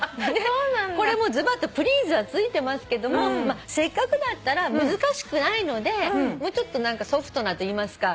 でこれもズバッと「ｐｌｅａｓｅ」は付いてますけどもせっかくだったら難しくないのでもうちょっと何かソフトなといいますか。